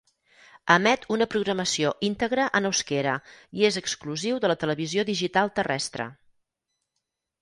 Emet una programació íntegra en euskera i és exclusiu de la Televisió Digital Terrestre.